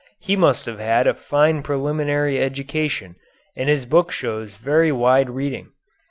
He must have had a fine preliminary education and his book shows very wide reading.